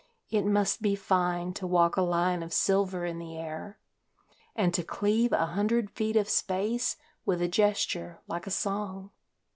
It must be fine to walk a line of silver in the air And to cleave a hundred feet of space with a gesture like a song.